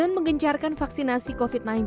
dan mengencarkan vaksinasi covid sembilan belas